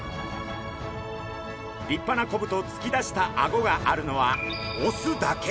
立派なコブとつき出したアゴがあるのはオスだけ！